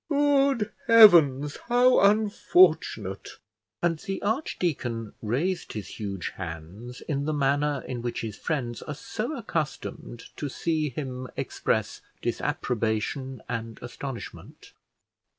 "Good heavens, how unfortunate!" And the archdeacon raised his huge hands in the manner in which his friends are so accustomed to see him express disapprobation and astonishment.